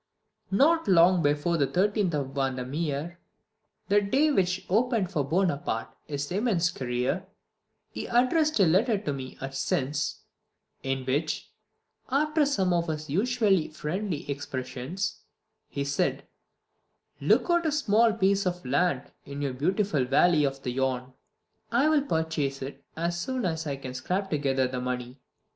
Not long before the 13th of Vendemiaire, that day which opened for Bonaparte his immense career, he addressed a letter to me at Sens, in which, after some of his usually friendly expressions, he said, "Look out a small piece of land in your beautiful valley of the Yonne. I will purchase it as soon as I can scrape together the money.